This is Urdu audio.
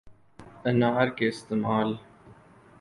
انار کے استعمال